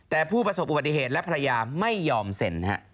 แต่ผู้ประสบอุบัติเหตุและภรรยาไม่ยอมเซ็น